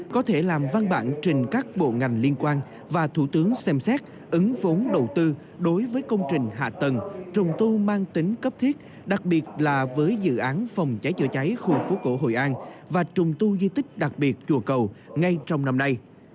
có thể làm văn bản trình các bộ ngành liên quan và thủ tướng xem xét ứng vốn đầu tư đối với công trình hạ tầng trùng tu mang tính cấp thiết đặc biệt là với dự án phòng cháy chữa cháy khu phố cổ hội an và trùng tu di tích đặc biệt chùa cầu ngay trong năm nay